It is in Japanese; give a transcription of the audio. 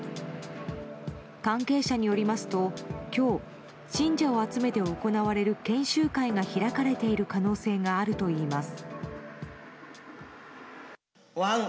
関係者によりますと、今日信者を集めて行われる研修会が開かれている可能性があるといいます。